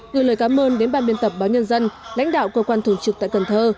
gửi lời cảm ơn đến ban biên tập báo nhân dân lãnh đạo cơ quan thường trực tại cần thơ